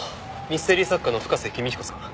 ミステリー作家の深瀬公彦さん。